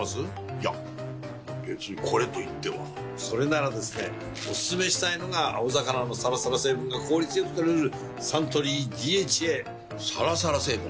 いや別にこれといってはそれならですねおすすめしたいのが青魚のサラサラ成分が効率良く摂れるサントリー「ＤＨＡ」サラサラ成分？